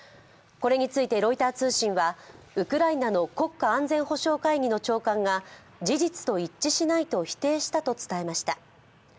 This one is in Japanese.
これについてロイター通信はウクライナの国家安全保障会議の長官が事実と一致しないと否定したと伝えました。